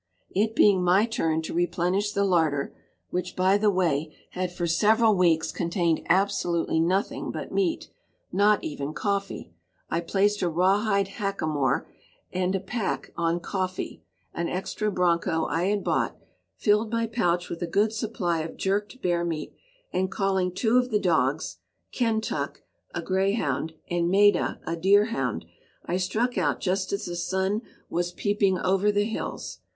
It being my turn to replenish the larder, which, by the way, had for several weeks contained absolutely nothing but meat, not even coffee, I placed a rawhide hackamore and a pack on "Coffee," an extra bronco I had bought, filled my pouch with a good supply of jerked bear meat, and calling two of the dogs, Kentuck, a greyhound, and Maida, a deerhound, I struck out just as the sun was peeping over the hills.